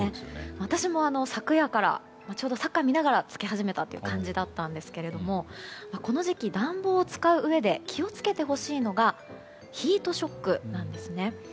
私も昨夜から、ちょうどサッカー見ながらつけ始めた感じだったんですがこの時期、暖房を使ううえで気をつけてほしいのがヒートショックなんですね。